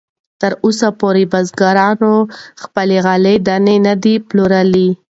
تراوسه پورې بزګرانو خپلې غلې دانې نه دي پلورلې.